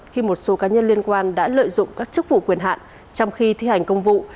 khi một số cá nhân liên quan đã lợi dụng các chức vụ quyền hạn trong khi thi hành công vụ